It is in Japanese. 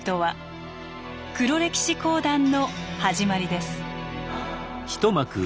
黒歴史講談の始まりです。